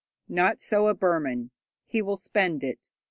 Not so a Burman: he will spend it.